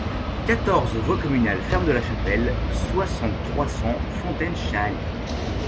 quatorze voie Communale Ferme de la Chapelle, soixante, trois cents, Fontaine-Chaalis